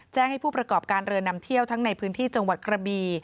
แจ้งให้ผู้ประกอบการเรือนำเที่ยวทั้งในพื้นที่จังหวัดกระบี